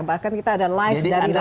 bahkan kita ada live dari